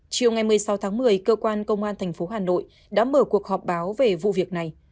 chiều ngày một mươi sáu tháng một mươi cơ quan công an tp hà nội đã mở cuộc họp báo về vụ việc này